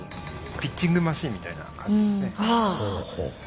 ピッチングマシンみたいな感じですね。